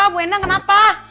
ibu endang kenapa